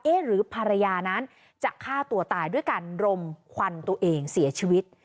หรือภรรยานั้นจะฆ่าตัวตายด้วยการรมควันตัวเองเสียชีวิต